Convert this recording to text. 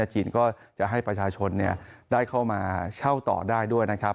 จีนก็จะให้ประชาชนได้เข้ามาเช่าต่อได้ด้วยนะครับ